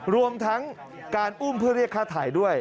รวมทั้งการอุ้มเพื่อเรียกค่าถ่ายด้วย